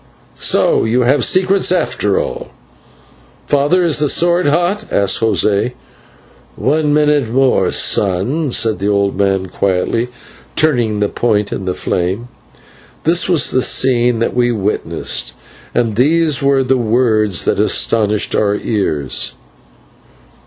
"So you have secrets after all! Father, is the sword hot?" asked José. "One minute more, son," said the old man, quietly turning the point in the flame. This was the scene that we witnessed, and these were the words that astonished our ears.